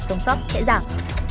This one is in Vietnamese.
sống sót sẽ giảm